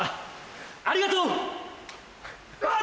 ありがとう‼うわっ！